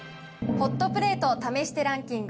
ホットプレート試してランキング